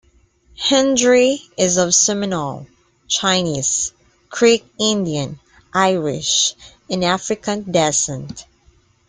Hendry is of Seminole, Chinese, Creek Indian, Irish and African descent.